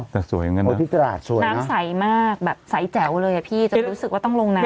แต่สวยเหมือนกันน้ำใสมากแบบใสแจ๋วเลยอ่ะพี่จะรู้สึกว่าต้องลงน้ำ